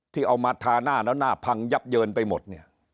ที่เอามาทาหน้าแล้วหน้าพังยับเยินไปหมดเนี่ย